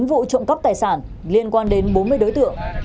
bốn mươi chín vụ trộm góp tài sản liên quan đến bốn mươi đối tượng